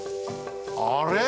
あれ？